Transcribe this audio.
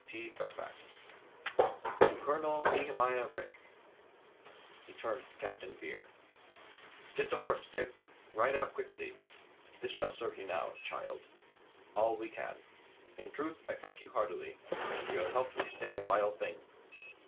T. Fairfax. To Colonel Nehemiah Rich. He turned to Captain Vere. "Get to horse, Dick. Ride out quickly. This shall serve you now, child. 306 COLONEL GREATHEART all we can. In truth, I thank you heartily. You have helped me stay a vile thing."